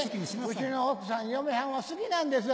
家の奥さん嫁はんは好きなんですよ